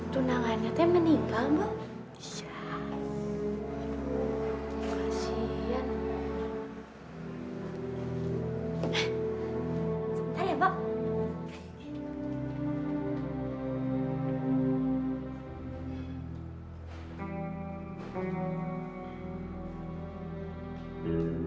tunangannya meninggal mbok